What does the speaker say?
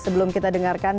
sebelum kita dengarkan